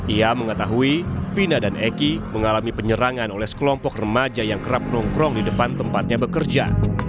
ia mengetahui vina dan eki mengalami penyerangan oleh sekelompok remaja yang kerap nongkrong di depan tempatnya bekerja